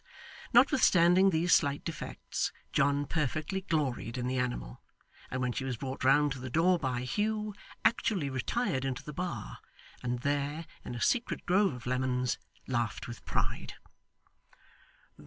Notwithstanding these slight defects, John perfectly gloried in the animal; and when she was brought round to the door by Hugh, actually retired into the bar, and there, in a secret grove of lemons, laughed with pride.